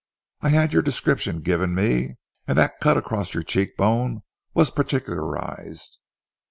I had your description given me, and that cut across your cheek bone was particularized.